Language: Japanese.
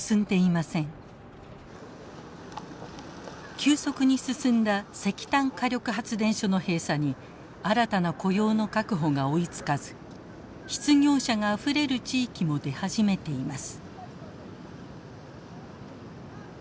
急速に進んだ石炭火力発電所の閉鎖に新たな雇用の確保が追いつかず失業者があふれる地域も出始めています。